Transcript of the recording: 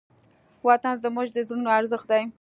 وطن زموږ د زړونو ارزښت دی.